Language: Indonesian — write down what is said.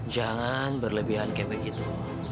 jangan berlebihan kayak begitu